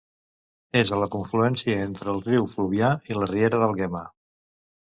És a la confluència entre el riu Fluvià i la riera d'Àlguema.